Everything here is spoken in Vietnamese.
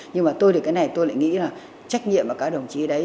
nhưng mà tôi thì cái này tôi lại nghĩ là trách nhiệm của các đồng chí đấy